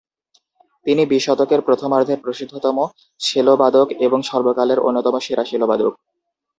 তিনি বিংশ শতকের প্রথমার্ধের প্রসিদ্ধতম সেলোবাদক এবং সর্বকালের অন্যতম সেরা সেলোবাদক।